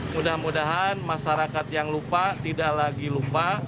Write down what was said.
mudah mudahan masyarakat yang lupa tidak lagi lupa